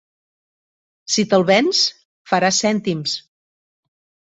Si te'l vens, faràs cèntims.